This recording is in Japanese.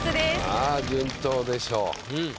まあ順当でしょ。